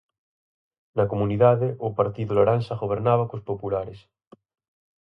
Na comunidade, o partido laranxa gobernaba cos populares.